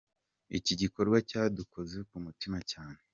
Iki gikorwa cyadukoze ku mutima cyane.